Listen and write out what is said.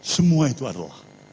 semua itu adalah